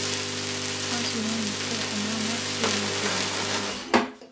Aşê wan li ser Hemama Çêrmûgê hebû